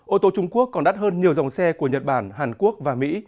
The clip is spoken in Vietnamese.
ô tô trung quốc còn đắt hơn nhiều dòng xe của nhật bản hàn quốc và mỹ